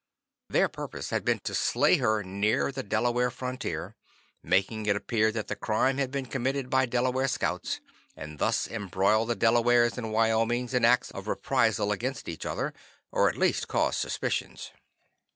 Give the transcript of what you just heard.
Their purpose had been to slay her near the Delaware frontier, making it appear that the crime had been committed by Delaware scouts and thus embroil the Delawares and Wyomings in acts of reprisal against each other, or at least cause suspicions.